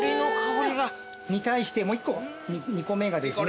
に対してもう１個２個目がですね。